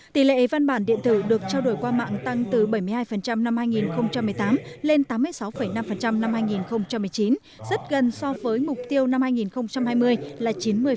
tỷ lệ văn bản điện tử được trao đổi qua mạng tăng từ bảy mươi hai năm hai nghìn một mươi tám lên tám mươi sáu năm năm hai nghìn một mươi chín rất gần so với mục tiêu năm hai nghìn hai mươi là chín mươi